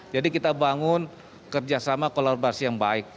jadi kita bangun kerjasama kolaborasi yang baik